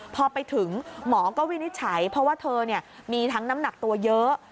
พอไปถึงหมอก็วินิจฉัยเพราะว่าเธอมีทั้งน้ำหนักตัวเยอะ